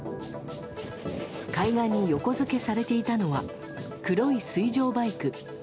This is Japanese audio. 海岸に横付けされていたのは黒い水上バイク。